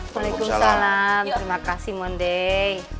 waalaikumsalam terimakasih mondi